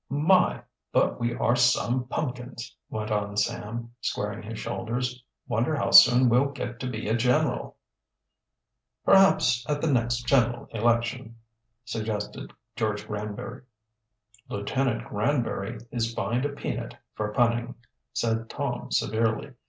"My, but we are some pumpkins," went on Sam, squaring his shoulders. "Wonder how soon we'll get to be a general." "Perhaps at the next general election," suggested George Granbury. "Lieutenant Granbury is fined a peanut for punning," said Tom severely.